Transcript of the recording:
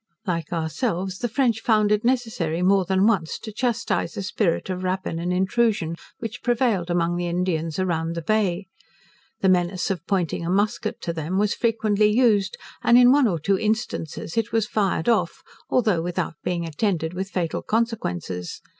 Like ourselves, the French found it necessary, more than once, to chastise a spirit of rapine and intrusion which prevailed among the Indians around the Bay. The menace of pointing a musquet to them was frequently used; and in one or two instances it was fired off, though without being attended with fatal consequences.